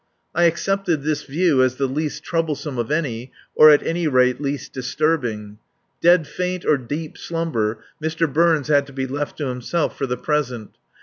I accepted this view as the least troublesome of any, or at any rate, least disturbing. Dead faint or deep slumber, Mr. Burns had to be left to himself for the present.